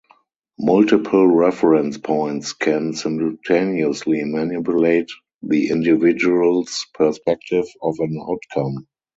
Multiple reference points can simultaneously manipulate the individuals perspective of an outcome.